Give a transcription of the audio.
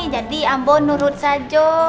jadi ambo nurut saja